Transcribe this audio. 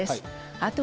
あと。